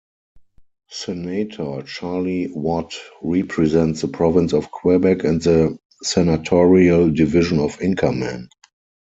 Senator Charlie Watt represents the province of Quebec and the Senatorial Division of Inkerman.